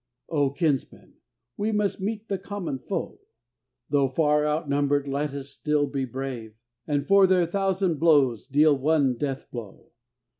Oh, Kinsmen! We must meet the common foe; Though far outnumbered, let us still be brave, And for their thousand blows deal one death blow!